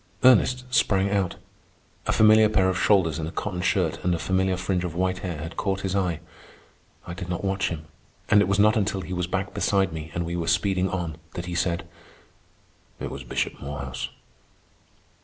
Ernest sprang out. A familiar pair of shoulders in a cotton shirt and a familiar fringe of white hair had caught his eye. I did not watch him, and it was not until he was back beside me and we were speeding on that he said: "It was Bishop Morehouse."